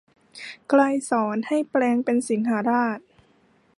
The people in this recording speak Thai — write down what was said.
ไกรสรให้แปลงเป็นสิงหราช